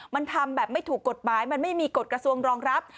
มันทำแบบไม่ถูกกฎหมายมันไม่มีกฎกระทรวงรองรับ